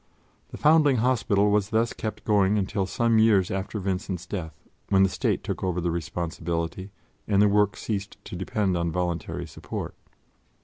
The Foundling Hospital was thus kept going until some years after Vincent's death, when the State took over the responsibility, and the work ceased to depend on voluntary support.